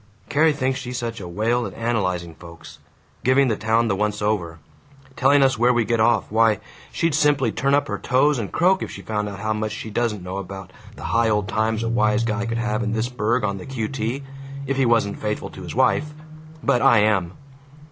"Carrie thinks she's such a whale at analyzing folks. Giving the town the once over. Telling us where we get off. Why, she'd simply turn up her toes and croak if she found out how much she doesn't know about the high old times a wise guy could have in this burg on the Q.T., if he wasn't faithful to his wife. But I am.